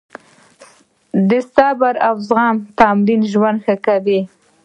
د صبر او زغم تمرین ژوند ښه کوي.